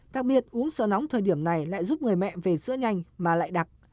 đặc biệt uống sữa nóng thời điểm này lại giúp người mẹ về sữa nhanh mà lại đặt